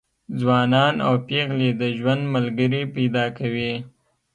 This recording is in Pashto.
ځوانان او پېغلې د ژوند ملګري پیدا کوي.